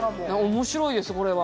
面白いですこれは。